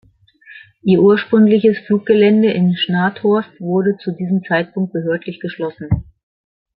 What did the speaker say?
Ihr ursprüngliches Fluggelände in Schnathorst wurde zu diesem Zeitpunkt behördlich geschlossen.